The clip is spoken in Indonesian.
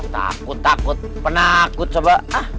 takut takut penakut soba